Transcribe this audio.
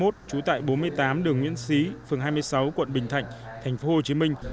trú tại bốn mươi tám đường nguyễn xí phường hai mươi sáu quận bình thạnh tp hcm